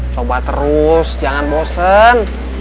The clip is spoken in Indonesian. coba terus jangan bosen